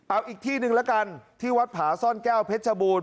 เอาอีกที่หนึ่งแล้วกันที่วัดผาซ่อนแก้วเพชรบูรณ